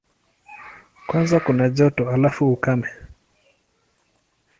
Kwanza kuna joto, halafu ukame.